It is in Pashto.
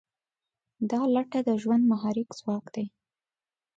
دا لټه د ژوند محرک ځواک دی.